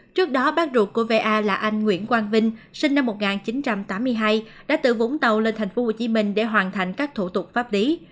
trước đó bác ruột của va là anh nguyễn quang vinh sinh năm một nghìn chín trăm tám mươi hai đã tự vũng tàu lên thành phố hồ chí minh để hoàn thành các thủ tục pháp lý